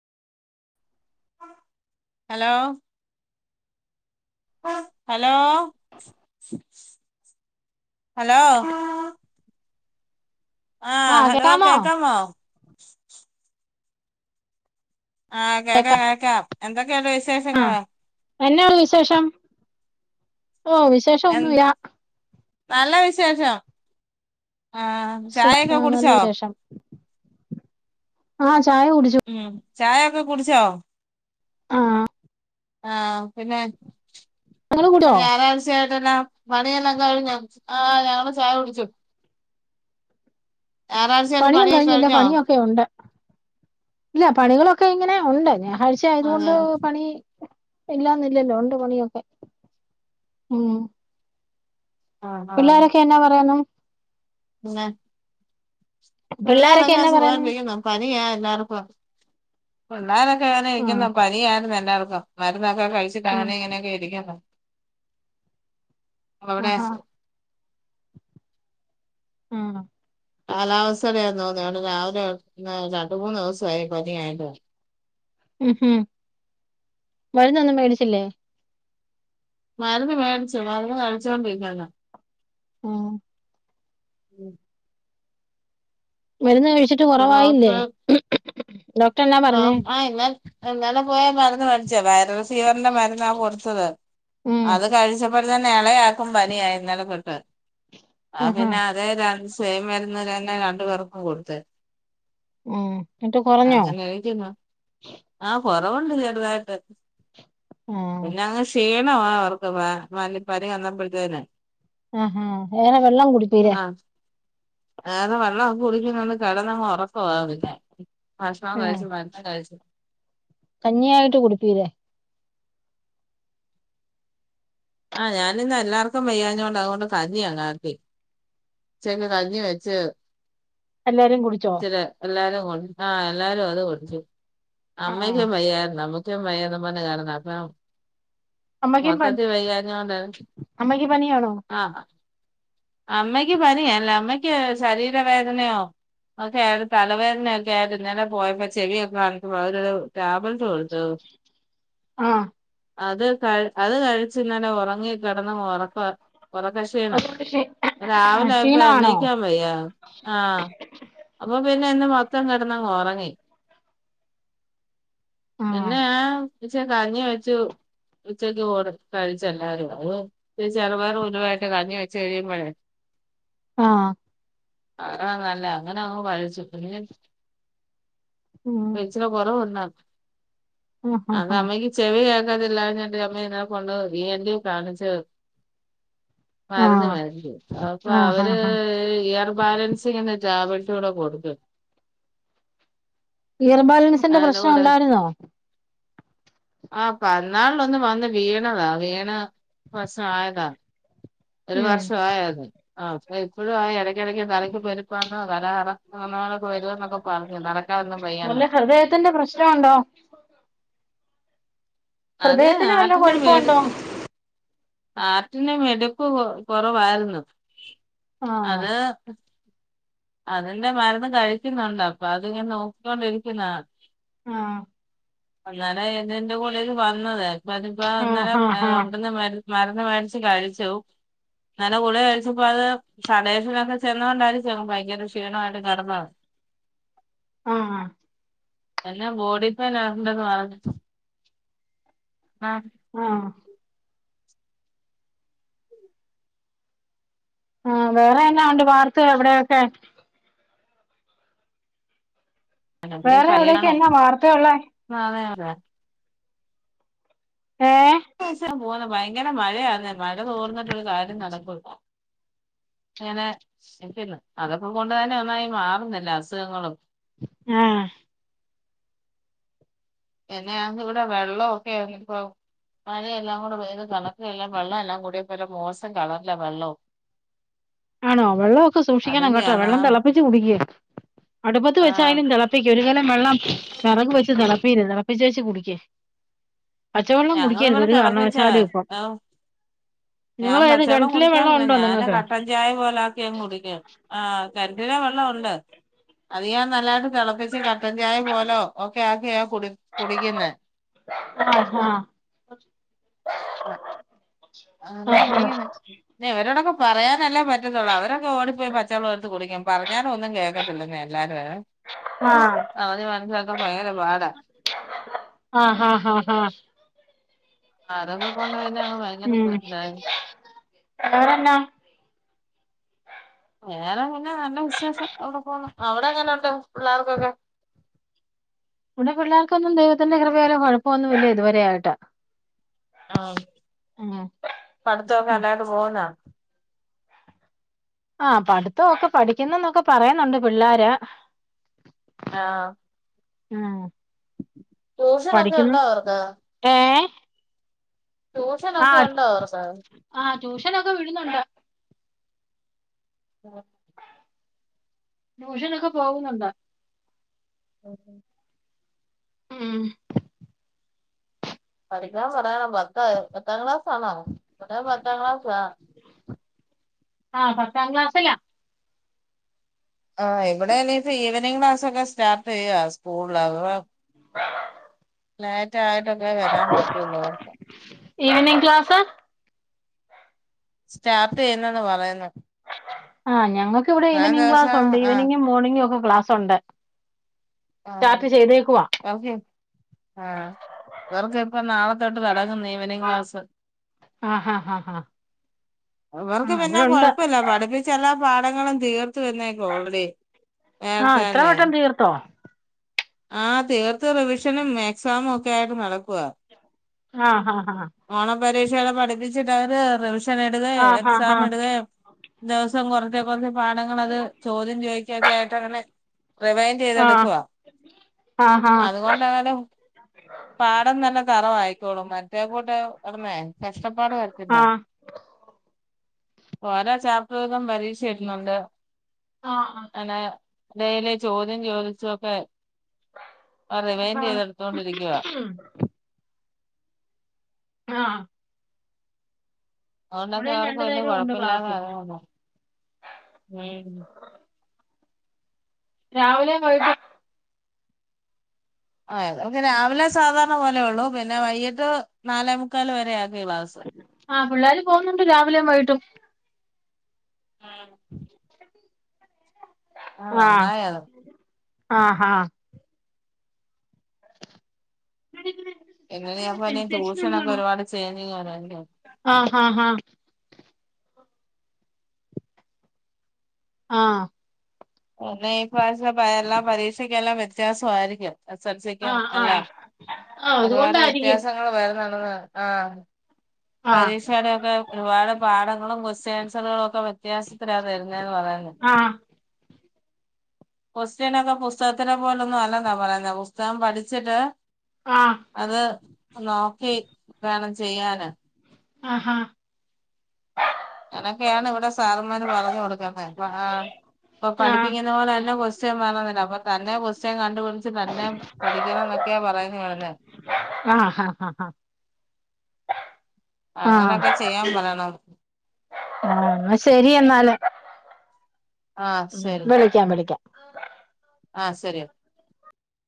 Hello hello hello ആഹ് hello കേക്കാമോ ആഹ് കേക്കാം കേക്കാം എന്തൊക്കെയുണ്ട് വിശേഷങ്ങള് എന്നാ ഒണ്ട് വിശേഷം. ഓ വിശേഷം എ ഒന്നുല്ലാ നല്ല വിശേഷം ആഹ് സുഖം ചായയൊക്കെ ആഹ് നല്ല കുടിച്ചോ വിശേഷം ആഹ് ചായ കുടിച്ചു. ഉം ചായ ഒക്കെ കുടിച്ചോ ആഹ് ആഹ് പിന്നെ നിങ്ങള് ഇന്ന് കുടിച്ചോ ഞായറാഴ്ച്ചയായിട്ടെന്നാ പണിയെല്ലാം കഴിഞ്ഞോ ആ ഞങ്ങള് ചായ കുടിച്ചു ഞായറാഴ്ചയായിട്ട് പണിയൊന്നും പണിയൊക്കെ കഴിഞ്ഞില്ല കഴിഞ്ഞോ പണിയൊക്കെ ഒണ്ട് ഇല്ല പണികളൊക്കെ ഇങ്ങനെ ഒണ്ട് ഞായറാഴ്ച ആയത് കൊണ്ട് അതെയോ പണി ഇല്ലാന്നില്ലല്ലോ ഉണ്ട് പണിയൊക്കെ മം ആഹ് ആഹ് പിള്ളേരൊക്കെ എന്നാ പറയുന്നു പിള്ളോരൊക്കെ കൊള്ളാതന്ന എന്നാ സുഖം പറയുന്നു ആയിട്ടിരി ക്കുന്നോ പനിയാ എല്ലാർക്കും. പിള്ളാരൊക്കെ അങ്ങനെ ആഹ് ഇരിക്കുന്നു പനിയായിരുന്നു എല്ലാവർക്കും. മരുന്നൊക്കെ കഴിച്ചിട്ട് അങ്ങനെ ആഹ് ഇങ്ങനൊക്കെ ഇരിക്കുന്നു ഒവ്ടെ ആഹാ ആഹ് കാലാവസ്ഥയെടാ തോന്ന്ണെ. വിടെ രാവിലെ രണ്ട് മൂന്ന് ദിവസമായി പനിയായിട്ട് ഉം ഹും മരുന്നൊന്നും മേടിച്ചില്ലേ മരുന്ന് മേടിച്ചു മരുന്ന് കഴിച്ചോണ്ടിരിക്കല്ലേ ആഹ് മരുന്ന് കഴിച്ചിട്ട് ഇപ്പൊ കൊറവായില്ലേ ആഹ് ആഹ് ഇന്ന ഇന്നലെ പോയാ മരുന്ന് മേടിച്ചേ വൈറൽ ഫീവറിന്റെ മരുന്നാ കൊടുത്തത് ഉം അത് കഴിച്ചപ്പോഴ് തന്നെ ഇളയാക്കും പനിയായി ഇന്നലെ തൊട്ട് ആ ആഹാ പിന്നെ അതെ രണ്ട് സെയിം മരുന്ന് തന്നെ രണ്ടു പേർക്കും കൊടുത്തെ ആഹ് ന്നിട്ട് കുറഞ്ഞോ? കഴിക്കുന്നു ആഹ് കൊറവുണ്ട് ചെറുതായിട്ട് ആഹ് പിന്നെ അങ്ങ് ക്ഷീണ വാ അവർക്ക് പ പ പനി വന്നപ്പത്തേന് ആഹ് ഹഹ് എങ്ങനാ വെള്ളം കുടിത്തീ [unintelligible] കിടന്നങ്ങുറക്കവാ ഭക്ഷണവും ആഹ് കഴിച്ച് മക്രുന്നും കഴിച് കഞ്ഞിയായിട്ട് കുടിക്കുല്ലേ? ആ ഞാനിന്ന് എല്ലാർക്കും വയഞ്ഞോണ്ട് അതുകൊണ്ട് കഞ്ഞിയങ്ങാക്കി. ഉചക്ക് കഞ്ഞി വെച്ച്. എല്ലാരേും കുടിച്ചോ? ഇച്ചിരി എല്ലാരും ആ എല്ലാരും അത് കുടിച്ചു ആഹ് അമ്മയ്ക്കും വയ്യായിരുന്നു. [unintelligible] അമ്മക്കും പനി. [unintelligible] അതെ ആ അമ്മക്ക് പനിയല്ല അമ്മയ്ക്ക് ശരീരവേദനയോ. ഓക്കെ ഒരുതലവേദനൊക്കായിരുന്നു ഇന്നലെ പോയപ്പോ ചെവിയൊക്കെക്ക്. [unintelligible] ആഹ് അത് ക അത് കഴിച്ചു ഇന്നലെ ഒറങ്ങി കിടന്ന ഉറക്ക ഉറക്ക ക്ഷീണം. [unintelligible] രാവിലെ ആയപ്പ ക്ഷീണമാണോ എണ്ണിക്കാൻ വയ്യ. ആ അപ്പൊ പിന്നെ ഇന്ന് മൊത്തം കിടന്നങ്ങ് ഒറങ്ങി. ആഹ് പിന്നേ [unintelligible] കഞ്ഞി വെച്ചു. ഉച്ചക്ക് ചോറ് കഴി െച്ച ല്ലാരും അ ചെറുപയറും ഉലുവായിട്ട് കഞ്ഞി വെച്ച. [unintelligible] ആ [unintelligible] ഉം കുറവുണ്ടോ ആഹ് അത് ആഹ് അമ്മക്ക്. ചെവി കേക്കതില്ല ഞ്ഞിട്ട്അമ്മ ഇതിനെ കൊണ്ട് ഇ എൻ ഡി യെ കാണിച്ചു. മരുന്ന് ആഹ് മരുന്ന് അപ്പൊ ആഹ് അവര് ആഹ് ആഹ് ഇയർ ബാലൻസിന്ന് ടാബ്ല്റ്റൂടെ കൊടുത്തു. ഇയർബാലൻസ്. [unintelligible] ആഹ പറന്നാള ഒന്ന് വന്ന്വീണതാ വീണ്. വർഷ ആയതാ ഒരു ഉം വർഷ ആയത ആ അപ്പൊ എപ്പോഴും ആ ഇട വല്ല [unintelligible] ഹൃദയത്തിന്റെ പ്രശ്നമുണ്ടോ? അത് ഹൃദയത്തിന് വല്ല ഹാർട്ടിന്റെ മേ കൊഴപ്പമുണ്ടോ ആർട്ടിന്റെ മിടിപ്പ് കൊ കൊറവായിരുന്നു ആഹ് അത്. അതിന്റെ മരുന്ന് കഴിക്കുന്നുണ്ട് അപ്പൊ അത്ങ്ങനെ നോക്കിക്കൊണ്ടിരിക്കുന്നാ. ആ [unintelligible] ആഹ് ആഹ് മർന്ന് മേടിച്ച് കഴിച്ചു. [unintelligible] ഇങ്ങ ഒരു ക്ഷീണമായിട്ട് കെടന്നാ? ആ ആ [unintelligible] ആ ആ ആ വേറെങ്ങാണ്ട് ഭാത്ത് എവിടെയൊക്കെ. പിന്നെ വേറെ എവിടയൊക്ക പനിയാണോ എന്നാ വാർത്തയുള്ളേ. [unintelligible] ഏ [unintelligible] ഭയങ്കര മഴയാന്നേ മഴ തോർന്നിട്ടൊരു കാര്യം നടക്കുല്ല. [unintelligible] അതൊകൊണ്ടെ ന്നെ ഒന്നായി മാറുന്നില്ല അസുഖങ്ങളും. ഏ എന്നെയ ഇവിടെ വെള്ളമൊക്കെ ആ ഇപ്പോ മഴയെല്ലാം കൂടെ പെയത് കണ ഇതെല്ലാം വെള്ളം എല്ലാം കൂടി മോശം കളറില്ല വെള്ളവും. ആണോ വെള്ളക്കെ സൂക്ഷിക്കണം കേട്ടോ അതിന്റെയാണ് വെള്ളം തിളപ്പിച്ച് കുടിക്ക് അടുപ്പത്ത് ആഹ് വെച്ചായാലും തെള- പ്പിക്ക് ഒരു കാലം വെള്ളം വെറക് വെച്ച് തെളപ്പീല്ല തിളപ്പിചേച്ച് കുടിക്ക്. പച്ചവെള്ളം കുടിക്കരുത് ഞങ്ങളിവിടെ ഒരു തിളപ്പിച്ച കാരണവശാലും ഇപ്പം ഓ ഞാൻ നിങ്ങള് ഏത് പച്ചളളം കിണറ്റിലെ വെള്ളം കുടിക്കാറില്ല ഉണ്ടോ ഞാന് നിങ്ങൾക്ക് കട്ടൻ ചായ പോലാക്കിയങ് കുടിക്കും ആ കെൺറ്റിലെ വെള്ള ഉണ്ട് അത് ഞാൻ നല്ലായിട്ട് തിളപ്പിച്ച് കട്ടൻ ചായ പോലോ ഒക്കെ ആക്കിയ കു കുടിക്കുന്നേ ആഹ ആഹ ആങ്ങനെ കുടിക്കുന്നെ ന ഇവരോടൊക്കെ പറയാനല്ലേ പ അവര് അവരൊക്കെ ഓടിപ്പോയി പച്ചെളം എടുത്ത് കുടിക്കും പറഞ്ഞാലൊന്നും കേക്കത്തില്ലനെ എല്ലാര്യേ ആഹ് അവധി മനസിലാക്കാൻ ഭയങ്കര പാടാ അഹ അഹ അഹ അഹ ആതൊക്കെ കൊണ്ട് പിന്നെ അ ഉം വെറെന്നാ. വേറെ പിന്നെ നല്ല വിശേഷം അവിടെ പോകണ് അവിടെ ങ്ങനെണ്ട് പിള്ളേർക്കൊക്കെ വിടെ പിള്ളേർക്കൊന്നും ദൈവന്റെ കൃപയാലേ കൊഴപ്പമൊന്നുല്ല ഇതുവരെ ആയിട്ട് ആഹ ഉം പടുത്തൊക്കെ ഉം നല്ലായിട്ട് പോവുന്നാ ആഹ്‌ പഠിത്തൊക്കെ പഠിക്കുന്നന്നൊക്കെ പറയുന്നുണ്ട് പിള്ളാരെ. ആഹ ഉം ട്യൂഷനൊക്കെ പഠിക്കുന്നു ഉണ്ടോ അവർക്ക് ഏ ആഹ് ട്യൂഷനോക്കെണ്ടോ സാർ ആഹ് ട്യൂഷനൊക്കെ വിടുന്നുണ്ടട [unintelligible] ട്യൂഷനൊക്കെ പോകുന്നുണ്ടോ? [unintelligible] ഉം പഠിക്കാൻ പറയാനോ പത്താ പത്താം ക്ലാസാണോ ഇവിടെ പത്താം ക്ലാസാ ആഹ്‌ പത്താം ക്ലാസിലാ. ആ ഇവിടെ നീ ഇപ്പ ഈവനിങ് ക്ലാസക്കെ സ്റ്റാർട്ട് ചെയ്യ്യാസ്കൂൾ അതാ [inaudible] ലൈറ്റ ആയിട്ടൊക്കെ വരാൻ പറ്റുള്ളൂർക്ക് ഈവനിങ്ങ് ക്ലാസ? സ്റ്റാർട്ട് ചെയ്യുന്നന്ന് പറയുന്നു ആ ഞങ്ങൾക്ക് ഇവിടെ ഇത്രയും ഈവനിംഗങ് ക്ലാസ് ദിവസം ഉണ്ട് ആഹ് ഈവനിങ്ങും മോർണിങ്ങും ഒക്കെ ക്ലാസ് ഉണ്ട്. ആഹ്‌ സ്റ്റാർട്ട് ചെയ്തേക്കുവാ ർക്കിക്ക് ആ ഇവർക് ഇപ്പ നാളെത്തോട്ട് തടങ്ങുന്ന ഇവനിംഗ് ക്ലാസ് ആ ഹാ ഹാ ഹാ ആ അവർക്ക് പിന്നെ ഇവിടെ ഉണ്ട് കൊഴപ്പില്ല പഠിപ്പി ചെലപാടങ്ങളും തീർത്ത വന്നേക്കോ ഓൾറെഡി നേരത്തെ തന്നെ. ട്ടോ ആ തീർത്ത് റിവിഷനും എക്സാമുക്കെ ആയിട്ട് നടകുവ ആഹ ഹ ഹ ഓണ പരീക്ഷടെ പഠിപ്പിച്ചിട്ട് അവരെ റിവിഷൻ ഇടുകെ ആ ഹാ എക്സാം ഹാ ഇടുകെ സം കുറച് കുറച് പാഠങ്ങങ്ങളത് ചോദ്യം ചോദിക്കൊക്കെ ആയിട്ടങ്ങനെ റീവൈൻഡ് ചെയ്തെടുക്കുവാ ആഹ്‌ ആഹ്‌ ലാലൗ പാടം നല്ല തറവായിക്കോളും മറ്റേ ലൗ അട്ന്നേ കഷ്ടപ്പാട് വരത്തില്ല ആ ഓരോ ചാപ്റ്റർ വീതം പരീക്ഷ ഇടുന്നുണ്ട് ആഹ് അനെയ ഡയലി ചോദ്യം ചോദിച്ചും ഒക്കെ അ റിവൈന്റ് യിത് ഏടുത്തോണ്ടിരിക്കു ഉം ആ അതണ്ടക്കെ ഇവിടെയും അവർക്ക് രണ്ടു വലിയ നേരവും ഉണ്ട് കൊഴപ്പില്ലാന്ന ക്ലാസ് [unintelligible] ഹ്മ്മ് രാവിലെ വൈകിട്ടും ആ ഇവർക് രാവിലെ സാധാരണ പോലെ ഉള്ളൂ പിന്നെ വൈകിട്ട് നാലേ മുക്കാല് വരെ ആക്കി ക്ലാസ്സ് ആ പിള്ളേര് പോകുന്നുണ്ട് രാവിലെയും വൈകിട്ടും മ് ആ അഹ് നന്നായി അത് ആ ഹാ [unintelligible] എങ്ങനെയ അപ്പൊ എനി സെൻസേഷൻ ട്യൂഷനൊക്കെ ഒരുപാട് ചേഞ്ചിങ് [unintelligible] ആഹ് ഹ ഹ ആഹ് പിന്നെ ഇ പ്രാവശ്യം പയേ എല്ലാം പരീക്ഷക്കെല്ലാം വ്യത്യാസമായിയിരിക്കും സല്സിക്കും ആഹ് എല്ലാം ആഹ് ആഹ് ഒരുപാട് അതുകൊണ്ടായിരിക്കും വ്യത്യാസങ്ങൾ വരുണ്ടെന്ന് അഹ് ആഹ് പരീക്ഷയുടെക്കെ ഒരുപാട് പാഠങ്ങളും ക്വസ്റ്റ്യൻ ആൻസറുകളും ഒക്കെ വ്യത്യാസത്തിലാണ് വരുന്നെന് പറയുന്നു. അഹ് ക്വസ്റ്റ്യൻൊക്കെ പുസ്തകത്തിനെ പോലൊന്നും അല്ലെന്നാ പറയുന്നെ പുസ്തകം പഠിച്ചിട്ട് ആ അത് നോക്കി വേണം ചെയ്യാന് ആഹ് ഹാ അനൊക്കെയാണ് ഇവിടെ സാറന്മാര് പറഞ്ഞു കൊടുക്കുന്നെ ആ ഇപ്പൊ പഠിപ്പിക്കുന്ന ആഹ് പോല തന്നെ ക്വസ്റ്റ്യൻ വേണോന്നില്ല അപ്പൊ തന്നെ ക്വസ്റ്റ്യൻ കണ്ടുപിടിച്ച് തന്നെ പഠിക്കണംന്നൊക്കെയാ പറയ്ഞ്ഞു വിടുന്നേ ആഹ് ഹ ഹ ഹ ആഹ് അങ്ങനെക്കെ ചെയ്യാൻ പറയണം ആഹ് എന്ന ശെരി എന്നാല് ഉം വിളിക്കാം വിളിക്കാം ആ സരിയ